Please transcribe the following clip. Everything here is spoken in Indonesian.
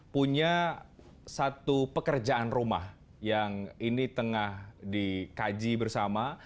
punya satu pekerjaan rumah yang ini tengah dikaji bersama